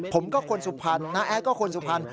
คนก็คนสุพรรณน้าแอดก็คนสุพรรณ